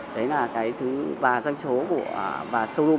đấy là cái thứ ba doanh số của showroom